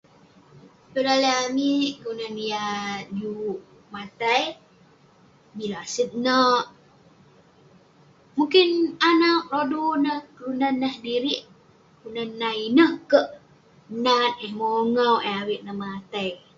Tong daleh amik, kelunan yah juk matai, bi laset neh, mukin anag rodu neh kelunan nah sedirik tinen nah ineh kek menat eh, mongau eh avik neh matai.